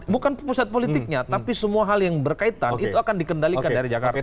bukan pusat politiknya tapi semua hal yang berkaitan itu akan dikendalikan dari jakarta